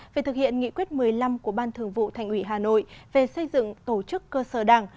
về thực hiện nghị quyết một mươi năm của ban thường vụ thành ủy hà nội về xây dựng tổ chức cơ sở đảng